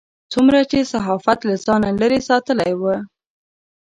څومره چې صحافت له ځانه لرې ساتلی و.